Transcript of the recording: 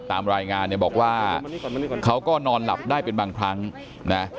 ตามรายงานเนี่ยบอกว่าเขาก็นอนหลับได้เป็นบางครั้งนะ